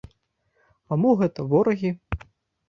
А мо гэта ворагі?